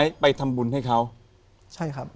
ผมก็ไม่เคยเห็นว่าคุณจะมาทำอะไรให้คุณหรือเปล่า